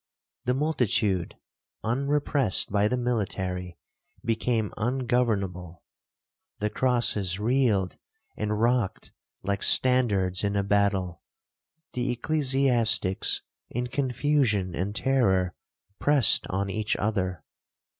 The multitude, unrepressed by the military, became ungovernable; the crosses reeled and rocked like standards in a battle; the ecclesiastics, in confusion and terror, pressed on each other.